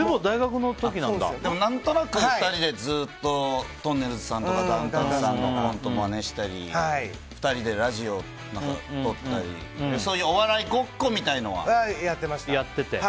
なんとなく２人でとんねるずさんとかダウンタウンさんのマネしたり２人でラジオとったりそういう、お笑いごっこみたいなのはやってて。